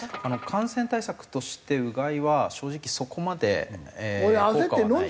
感染対策としてうがいは正直そこまで効果はないです。